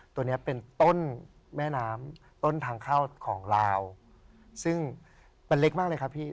ตัวนี้เป็นต้นแม่น้ำต้นทางเข้าของลาวซึ่งมันเล็กมากเลยครับพี่